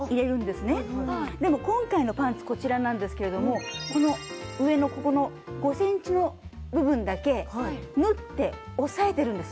でも今回のパンツこちらなんですけれどもこの上のここの５センチの部分だけ縫って押さえてるんです。